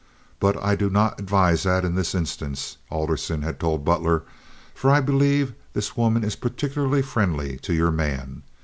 "But I do not advise that in this instance," Alderson had told Butler, "for I believe this woman is particularly friendly to your man.